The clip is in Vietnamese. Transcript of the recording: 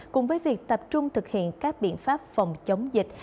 cùng với việc tập trung thực hiện các biện pháp phòng chống dịch